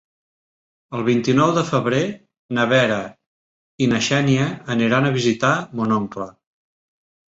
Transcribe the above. El vint-i-nou de febrer na Vera i na Xènia aniran a visitar mon oncle.